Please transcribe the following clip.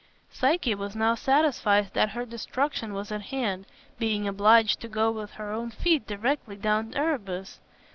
Psyche was now satisfied that her destruction was at hand, being obliged to go with her own feet directly down to Erebus.